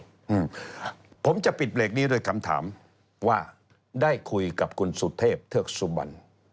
อืมผมจะปิดเบรกนี้โดยคำถามว่าได้คุยกับคุณสุเทพเทือกสุบัน